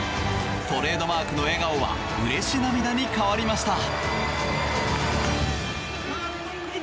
トレードマークの笑顔はうれし涙に変わりました。